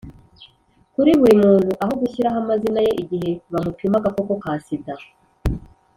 kuri buri muntu aho gushyiraho amazina ye igihe bamupima agakoko ka sida.